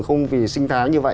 không vì sinh thái như vậy